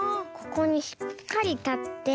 ここにしっかりたって。